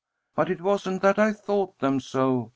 But it wasn't that I thought them so.